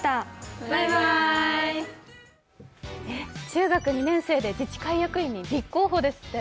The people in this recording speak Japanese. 中学２年生で自治会役員に立候補ですって。